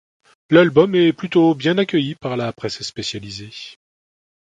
L'album est plutôt bien accueilli par la presse spécialisée.